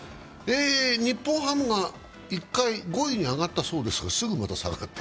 日本ハムが１回、５位に上がったそうですが、すぐ戻された。